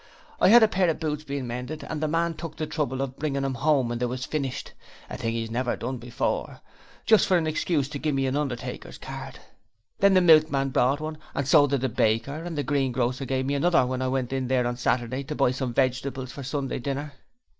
I had a pair of boots bein' mended and the man took the trouble to bring 'em 'ome when they was finished a thing 'e's never done before just for an excuse to give me an undertaker's card. 'Then the milkman brought one, and so did the baker, and the greengrocer give me another when I went in there on Saturday to buy some vegetables for Sunday dinner.'